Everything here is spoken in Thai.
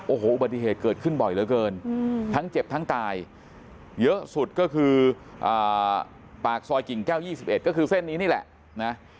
โอ้โหอุบัติเหตุเกิดขึ้นบ่อยเหลือเกินทั้งเจ็บทั้งตายเยอะสุดก็คือปากซอยกิ่งแก้ว๒๑ก็คือเส้นนี้นี่แหละนะ